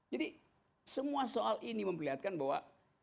jadi semua soal ini memperlihatkan bahwa